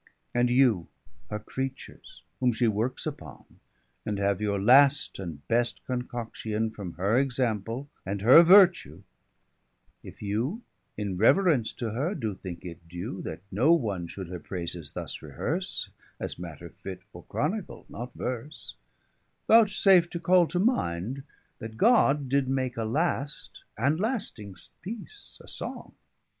And you her creatures, whom she workes upon, 455 And have your last, and best concoction From her example, and her vertue, if you In reverence to her, do thinke it due, That no one should her praises thus rehearse, As matter fit for Chronicle, not verse; 460 Vouchsafe to call to minde that God did make A last, and lasting'st peece, a song.